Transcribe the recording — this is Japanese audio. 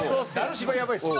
一番やばいですよ。